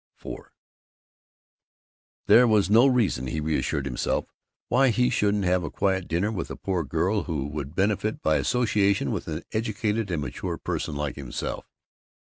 IV There was no reason, he assured himself, why he shouldn't have a quiet dinner with a poor girl who would benefit by association with an educated and mature person like himself.